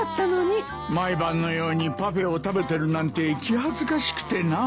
毎晩のようにパフェを食べてるなんて気恥ずかしくてな。